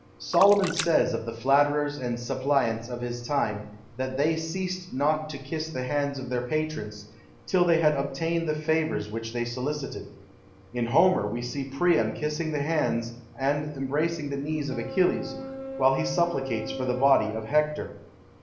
Solomon says of the flatterers and suppliants of his time, that they ceased not to kiss the hands of their patrons, till they had obtained the favours which they solicited. In Homer we see Priam kissing the hands and embracing the knees of Achilles, while he supplicates for the body of Hector.